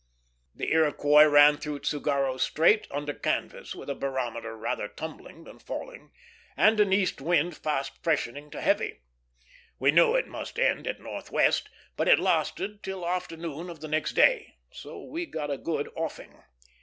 The Iroquois ran through Tsugaru Strait under canvas, with a barometer rather tumbling than falling, and an east wind fast freshening to heavy. We knew it must end at northwest; but it lasted till afternoon of the next day, so we got a good offing.